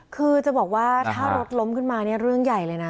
คือจะบอกว่าถ้ารถล้มขึ้นมาเนี่ยเรื่องใหญ่เลยนะ